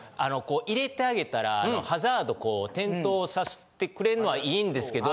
入れてあげたらハザードこう点灯さしてくれんのはいいんですけど